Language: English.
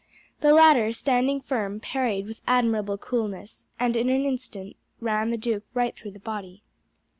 The latter, standing firm, parried with admirable coolness, and in an instant ran the duke right through the body."